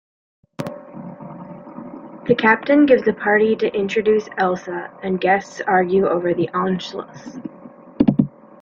The Captain gives a party to introduce Elsa, and guests argue over the "Anschluss".